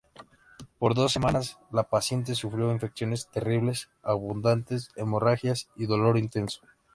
Por dos semanas la paciente sufrió infecciones terribles, abundantes hemorragias y dolor intenso.